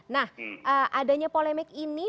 nah adanya polemik ini